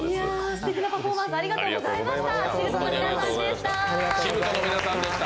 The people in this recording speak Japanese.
すてきなパフォーマンスありがとうございました。